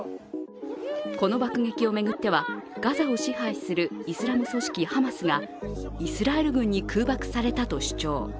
この爆撃を巡ってはガザを支配するイスラム組織ハマスが、イスラエル軍に空爆されたと主張。